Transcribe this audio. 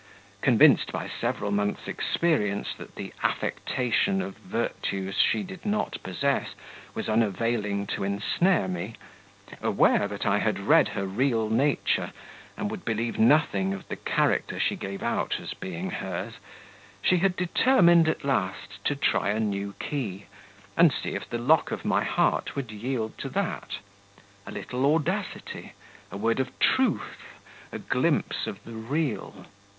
Convinced by several months' experience that the affectation of virtues she did not possess was unavailing to ensnare me aware that I had read her real nature, and would believe nothing of the character she gave out as being hers she had determined, at last, to try a new key, and see if the lock of my heart would yield to that; a little audacity, a word of truth, a glimpse of the real.